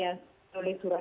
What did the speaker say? satu satunya ya menulis surat